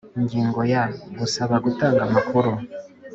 Ingingo ya Gusaba gutanga amakuru